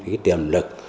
cái tiềm lực